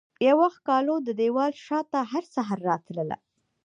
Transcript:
یوه ښکالو ددیوال شاته هرسحر راتلله